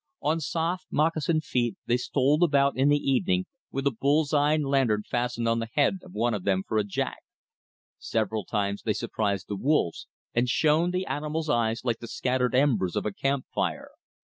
On soft moccasined feet they stole about in the evening with a bull's eye lantern fastened on the head of one of them for a "jack." Several times they surprised the wolves, and shone the animals' eyes like the scattered embers of a camp fire.